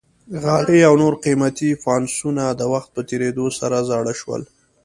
غالۍ او نور قیمتي فانوسونه د وخت په تېرېدو سره زاړه شول.